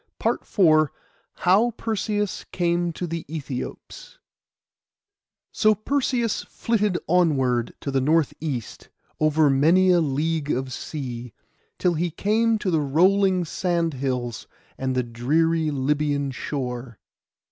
PART IV HOW PERSEUS CAME TO THE ÆTHIOPS So Perseus flitted onward to the north east, over many a league of sea, till he came to the rolling sand hills and the dreary Lybian shore.